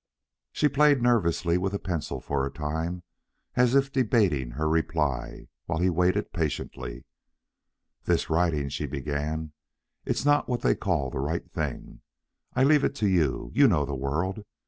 She played nervously with a pencil for a time, as if debating her reply, while he waited patiently. "This riding," she began; "it's not what they call the right thing. I leave it to you. You know the world.